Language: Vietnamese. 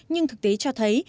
nhưng thực tế cho thấy